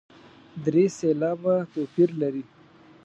درې سېلابه توپیر لري.